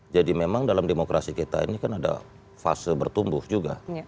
jadi memang dalam demokrasi kita ini kan ada fase bertumbuh juga